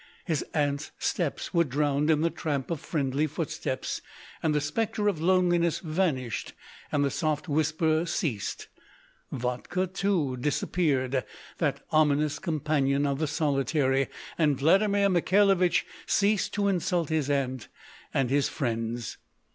His Aunt's steps were drowned in the tramp of friendly footsteps, and the spectre of loneliness vanished, and the soft whisper ceased. Vodka, too, disappeared, that ominous companion of the solitary, and Vladimir Mikhailovich ceased to insult his Aunt and his friends.